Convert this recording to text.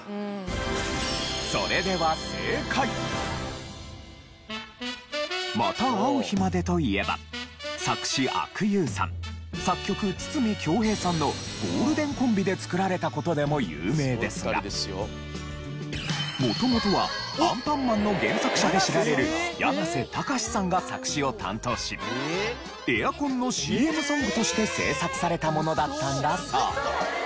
それでは『また逢う日まで』といえば作詞阿久悠さん作曲筒美京平さんのゴールデンコンビで作られた事でも有名ですが元々は『アンパンマン』の原作者で知られるやなせたかしさんが作詞を担当しエアコンのＣＭソングとして制作されたものだったんだそう。